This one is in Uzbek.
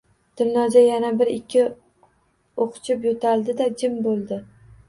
Dilnoza yana bir-ikki o`qchib yo`taldi-da, jim bo`ldi